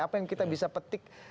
apa yang kita bisa petik